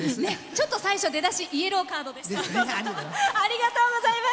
ちょっと最初出だし、イエローカードでした。